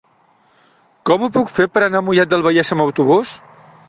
Com ho puc fer per anar a Mollet del Vallès amb autobús?